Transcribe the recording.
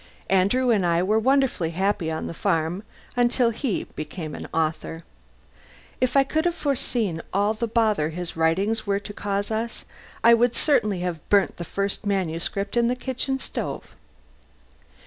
Andrew and I were wonderfully happy on the farm until he became an author. If I could have foreseen all the bother his writings were to cause us, I would certainly have burnt the first manuscript in the kitchen stove.